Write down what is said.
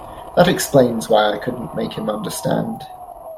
That explains why I couldn't make him understand.